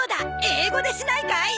英語でしないかい？